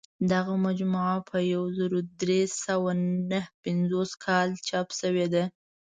دغه مجموعه په یو زر درې سوه نهه پنځوس کال چاپ شوې ده.